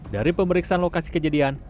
dari pemeriksaan lokasi kejadian